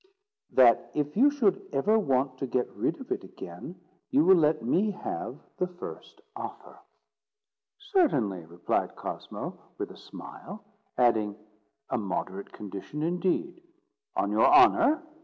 "That if you should ever want to get rid of it again, you will let me have the first offer." "Certainly," replied Cosmo, with a smile; adding, "a moderate condition indeed." "On your honour?"